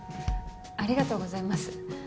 ありがとうございます。